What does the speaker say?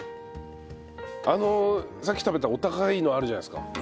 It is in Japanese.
あのさっき食べたお高いのあるじゃないですか。